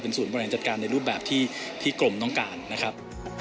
ศูนย์บริหารจัดการในรูปแบบที่กรมต้องการนะครับ